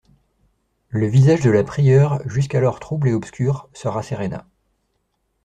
Le visage de la prieure, jusqu'alors trouble et obscur, se rasséréna.